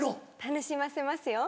楽しませますよ。